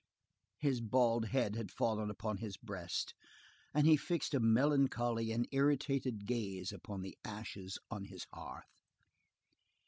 His bald head had fallen upon his breast, and he fixed a melancholy and irritated gaze upon the ashes on his hearth.